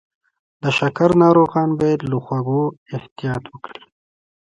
د شکر ناروغان باید له خوږو احتیاط وکړي.